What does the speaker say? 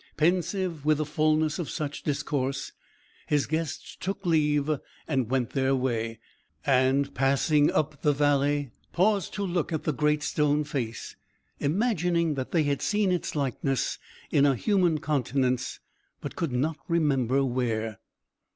Pensive with the fulness of such discourse, his guests took leave and went their way; and passing up the valley, paused to look at the Great Stone Face, imagining that they had seen its likeness in a human countenance, but could not remember where.